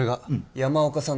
山岡さん